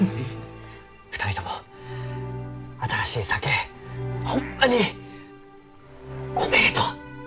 ２人とも新しい酒ホンマにおめでとう！